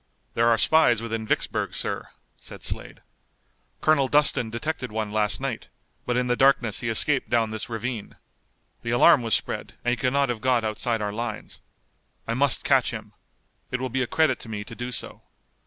"There are spies within Vicksburg, sir," said Slade. "Colonel Dustin detected one last night, but in the darkness he escaped down this ravine. The alarm was spread and he could not have got outside our lines. I must catch him. It will be a credit to me to do so.